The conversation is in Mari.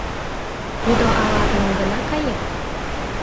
тудо ала мӧҥгына каен?